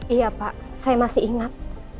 iya pak saya masih ingat